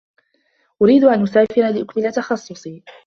أريد أن أسافر لأكمل تخصّصي.